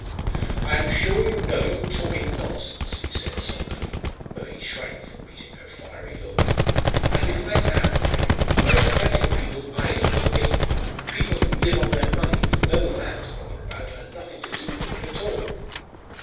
"I'm sure you know you're talking nonsense," he said sulkily, though he shrank from meeting her fiery look. "And if I am idle, there are plenty of people idler than me people who live on their money, with no land to bother about, and nothing to do for it at all."